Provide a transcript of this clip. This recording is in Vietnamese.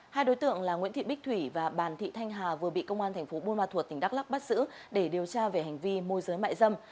hai đối tượng là nguyễn thị bích thủy và bàn thị thanh hà vừa bị công an thành phố buôn ma thuột tỉnh đắk lắc bắt giữ để điều tra về hành vi môi giới mại dâm